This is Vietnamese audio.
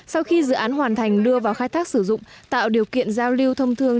sau khi dự án hoàn thành đưa vào khai thác sử dụng tạo điều kiện giao lưu thông thương